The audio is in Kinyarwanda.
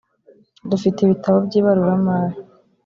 dufite ibitabo byibaruramari .